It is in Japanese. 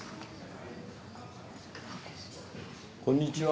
こんにちは。